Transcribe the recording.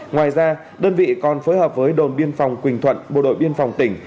ngoài ra đơn vị còn phối hợp với đồn biên phòng quỳnh thuận bộ đội biên phòng tỉnh